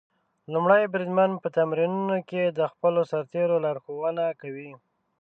لومړی بریدمن په تمرینونو کې د خپلو سرتېرو لارښوونه کوي.